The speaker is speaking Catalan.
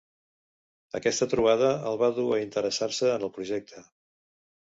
Aquesta trobada el va dur a interessar-se en el projecte.